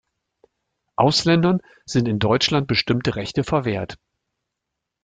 Ausländern sind in Deutschland bestimmte Rechte verwehrt.